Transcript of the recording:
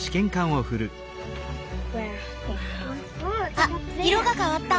あっ色が変わった。